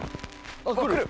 あっくる！